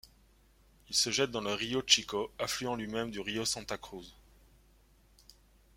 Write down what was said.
Il se jette dans le río Chico, affluent lui-même du río Santa Cruz.